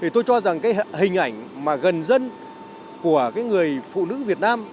tôi cho rằng hình ảnh gần dân của người phụ nữ việt nam